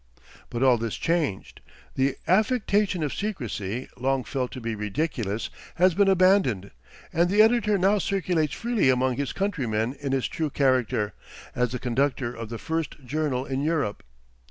'" But all this is changed. The affectation of secrecy, long felt to be ridiculous, has been abandoned, and the editor now circulates freely among his countrymen in his true character, as the conductor of the first journal in Europe.